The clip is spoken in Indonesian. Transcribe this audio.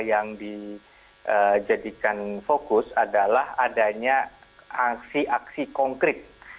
yang dijadikan fokus adalah adanya aksi aksi konkret